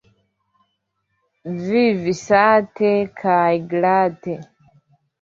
Vivi sate kaj glate.